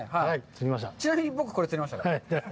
ちなみに、僕、これ釣りました。